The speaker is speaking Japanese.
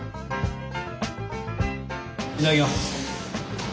いただきます。